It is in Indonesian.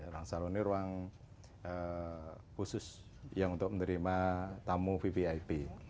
ruang salon ini ruang khusus yang untuk menerima tamu vvip